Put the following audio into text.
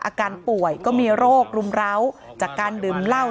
อาการป่วยก็มีโรครุมร้าวจากการดื่มเหล้า